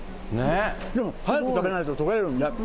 でも早く食べないととけるんで。